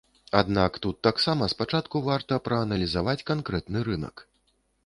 Аднак тут таксама спачатку варта прааналізаваць канкрэтны рынак.